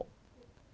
không có sự kiểm tra